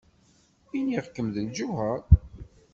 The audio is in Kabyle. Iniɣ-kem d lǧuher.